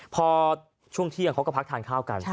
พอช่วงเที่ยงเขาก็พักทานข้าวกัน